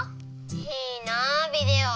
いいなビデオ。